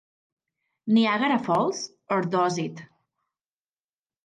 "Niagara Falls, or Does It?"